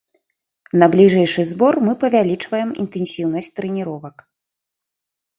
На бліжэйшы збор мы павялічваем інтэнсіўнасць трэніровак.